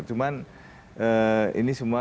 cuman ini semua